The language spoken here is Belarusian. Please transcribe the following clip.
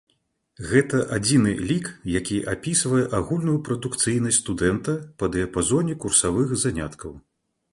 Гэта адзіны лік, які апісвае агульную прадукцыйнасць студэнта па дыяпазоне курсавых заняткаў.